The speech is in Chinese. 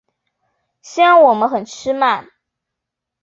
虽然我们吃很慢